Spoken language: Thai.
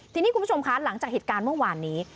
ทีนี้คุณผู้ชมคะหลังจากเหตุการณ์เมื่อวานนี้